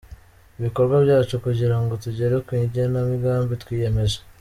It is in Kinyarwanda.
ibikorwa byacu kugira ngo tugere ku igena migambi twiyemeje.